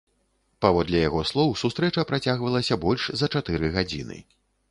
Паводле яго слоў, сустрэча працягвалася больш за чатыры гадзіны.